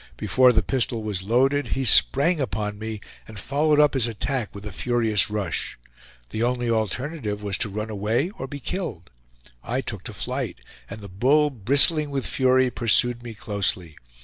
Before the pistol was loaded he sprang upon me, and followed up his attack with a furious rush. The only alternative was to run away or be killed. I took to flight, and the bull, bristling with fury, pursued me closely.